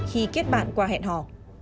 khi kết bạn qua hẹn hò